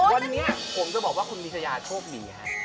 วันนี้ผมจะบอกว่าคุณพิชยาโชคดีฮะ